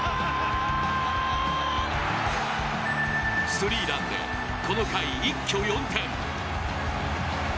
スリーランでこの回、一挙４点。